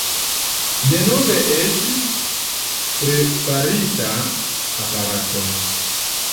Denove estis preparita aparato.